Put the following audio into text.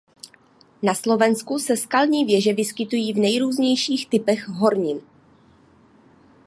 Na Slovensku se skalní věže vyskytují v nejrůznějších typech hornin.